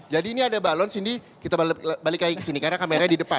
jadi ini ada balon sini kita balik lagi kesini karena kameranya di depan